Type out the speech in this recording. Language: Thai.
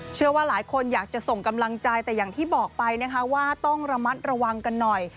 เชื่อว่าหลายคนอยากจะส่งกำลังใจแต่อย่างที่บอกไปนะคะว่าต้องระมัดระวังกันหน่อย